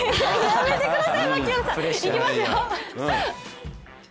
やめてください槙原さん。いきますよ。